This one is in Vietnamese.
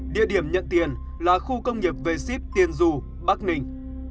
địa điểm nhận tiền là khu công nghiệp về ship tiên du bắc ninh